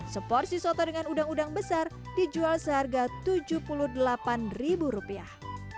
seporsi soto dengan udang udang besar dijual seharga tujuh puluh delapan ribu rupiah